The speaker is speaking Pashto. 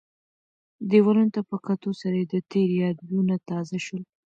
دیوالونو ته په کتو سره یې د تېر یادونه تازه شول.